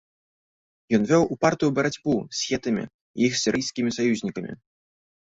Ён вёў упартую барацьбу з хетамі і іх сірыйскімі саюзнікамі.